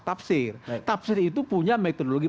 tafsir tafsir itu punya metodologi